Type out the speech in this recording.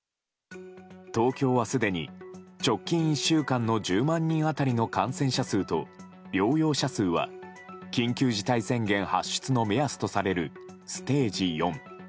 東京はすでに、直近１週間の１０万人当たりの感染者数と療養者数は緊急事態宣言発出の目安とされるステージ４。